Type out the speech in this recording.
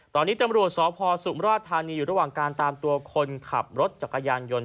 ตอนนี้ตำรวจสพสุมราชธานีอยู่ระหว่างการตามตัวคนขับรถจักรยานยนต์